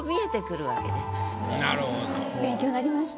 勉強になりました。